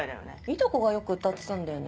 いとこがよく歌ってたんだよね。